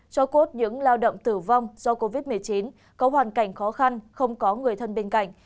cho cốt những lao động tử vong do covid một mươi chín có hoàn cảnh khó khăn không có người thân bên cạnh